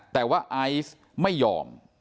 แต่ว่าไอซ์ไม่ยอม